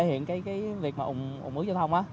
thì hiện cái việc mà ủng ủi giao thông á